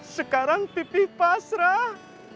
sekarang pipih pasrah